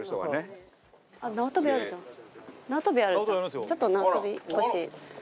ちょっと縄跳び欲しい。